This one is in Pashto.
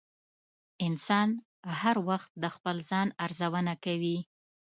انسان هر وخت د خپل ځان ارزونه کوي.